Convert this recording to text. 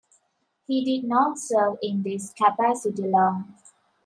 He did not serve in this capacity long.